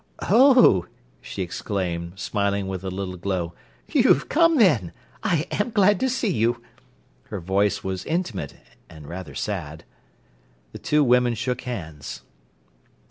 "Oh!" she exclaimed, smiling with a little glow, "you've come, then. I am glad to see you." Her voice was intimate and rather sad. The two women shook hands.